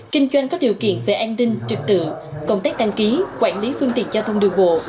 kinh doanh có điều kiện về an ninh trực tự công tác đăng ký quản lý phương tiện giao thông đường bộ